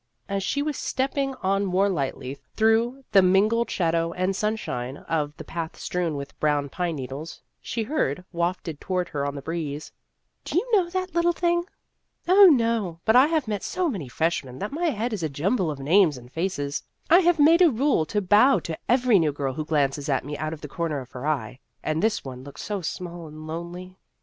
As she was stepping on more lightly through the mingled shadow and sunshine of the path strewn with brown pine needles, she heard, wafted toward her on the breeze, " Do you know that little thing?" " Oh, no, but I have met so many fresh men that my head is a jumble of names and faces. I have made a rule to bow to every new girl who glances at me out of The History of an Ambition 31 the corner of her eye. And this one looked so small and lonely."